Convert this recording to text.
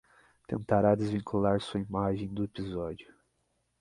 Tentará desvincular sua imagem do episódio